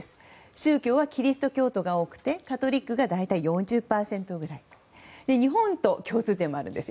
宗教はキリスト教徒が多くてカトリックが大体４０％くらい日本と共通点もあるんです。